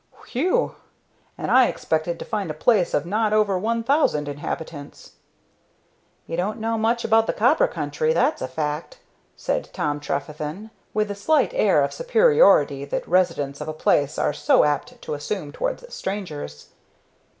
"Whew! and I expected to find a place of not over one thousand inhabitants." "You don't know much about the copper country, that's a fact," said Tom Trefethen, with the slight air of superiority that residents of a place are so apt to assume towards strangers.